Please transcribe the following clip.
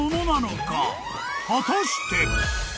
［果たして！？］